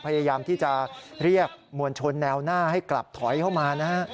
พยายามที่จะเรียกมวลชนแนวหน้าให้กลับถอยเข้ามานะฮะ